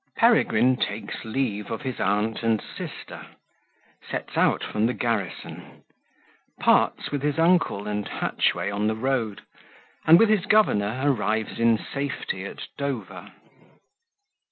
Peregrine takes leave of his Aunt and Sister Sets out from the Garrison Parts with his Uncle and Hatchway on the Road, and with his Governor arrives in safety at Dover.